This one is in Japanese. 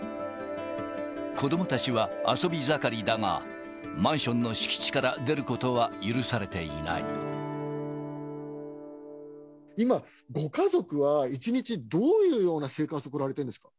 子どもたちは遊び盛りだが、マンションの敷地から出ることは今、ご家族は一日、どういうような生活を送られてるんですか。